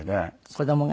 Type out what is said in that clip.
子供が？